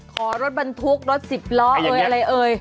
ขอรถบรรทุกรถสิบล้ออะไร